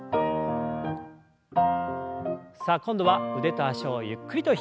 さあ今度は腕と脚をゆっくりと引き上げましょう。